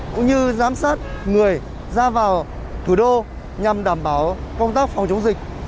cũng như giám sát người ra vào thủ đô nhằm đảm bảo công tác phòng chống dịch